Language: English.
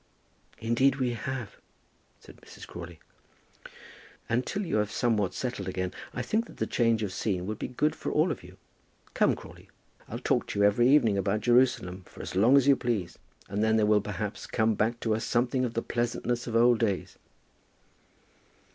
"Indeed we have," said Mrs. Crawley. "And till you are somewhat settled again, I think that the change of scene would be good for all of you. Come, Crawley, I'll talk to you every evening about Jerusalem for as long as you please; and then there will perhaps come back to us something of the pleasantness of old days."